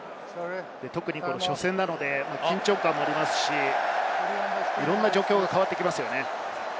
特に初戦などで緊張感もありますし、いろいろな状況が変わってきますよね。